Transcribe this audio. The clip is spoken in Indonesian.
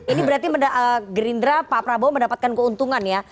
ini berarti gerindra pak prabowo mendapatkan keuntungan ya